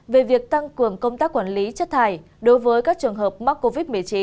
về việc tăng cường công tác quản lý chất thải đối với các trường hợp mắc covid một mươi chín